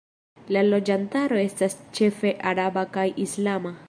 La loĝantaro estas ĉefe araba kaj islama.